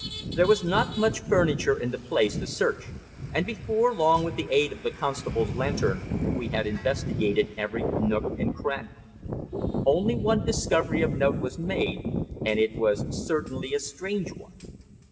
There was not much furniture in the place to search, and before long, with the aid of the constable's lantern, we had investigated every nook and cranny. Only one discovery of note was made, and it was certainly a strange one.